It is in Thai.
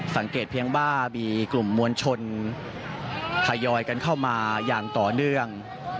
สังเกตเพียงว่ามีกลุ่มมวลชนทยอยกันเข้ามาอย่างต่อเนื่อง